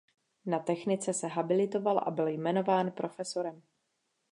Na technice se habilitoval a byl jmenován profesorem.